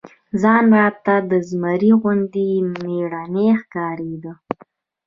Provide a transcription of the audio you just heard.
ځان راته د زمري غوندي مېړنى ښکارېده.